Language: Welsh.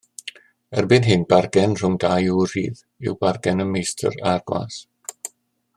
Erbyn hyn bargen rhwng dau ŵr rhydd yw bargen y meistr a'r gwas.